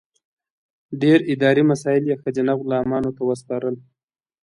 ډېر اداري مسایل یې ښځینه غلامانو ته وسپارل.